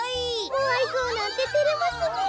モアイぞうなんててれますねえ。